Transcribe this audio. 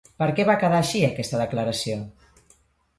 Per què va quedar així aquesta declaració?